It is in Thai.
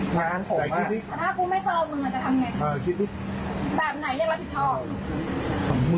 หลุมไม่ได้แล้วถ้าผมไม่ได้ทางกลับพื้นอ่ะ